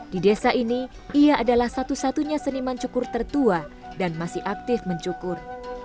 di desa ini ia adalah satu satunya seniman cukur tertua dan masih aktif mencukur